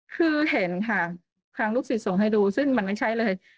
คือเห็นค่ะทางลูกศิษย์ส่งให้ดูซึ่งมันไม่ใช่เลย